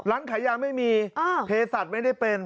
ร้านขายยาไม่มีเพศัตริย์ไม่ได้เป็น